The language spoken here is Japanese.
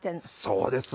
そうです。